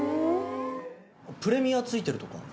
プレミアついてるとか？